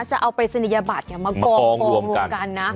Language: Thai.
จะเอาไปสัญญาบัติมากองรวมกันนะ